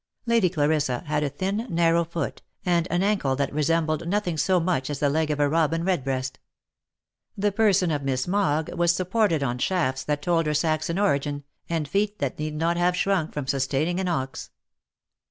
Lady Clarissa had a thin, narrow foot, and an ancle that resembled nothing so much as the leg of a Robin red breast ; the person of Miss Mogg was supported on shafts that told her Saxon origin, and feet that need not have shrunk from sustaining an ox.